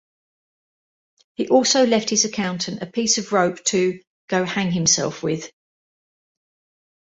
He also left his accountant a piece of rope to "go hang himself with".